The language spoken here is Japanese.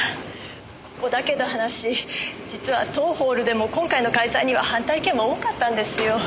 ここだけの話実は当ホールでも今回の開催には反対意見も多かったんですよ。